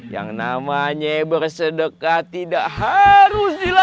yang namanya bersedekah tidak harus dilakukan